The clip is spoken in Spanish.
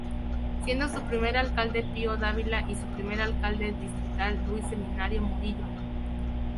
Siendo su primer alcalde Pío Dávila y su primer alcalde distrital Luis Seminario Murillo.